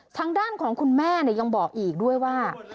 ทางด้านของคุณแม่ยังบอกอีกด้วยว่า